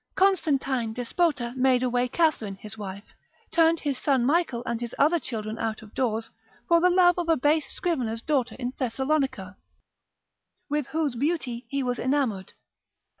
Constantine Despota made away Catherine, his wife, turned his son Michael and his other children out of doors, for the love of a base scrivener's daughter in Thessalonica, with whose beauty he was enamoured.